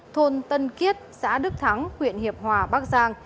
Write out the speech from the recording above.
thôn tân kiết xã đức thắng huyện hiệp hòa bắc giang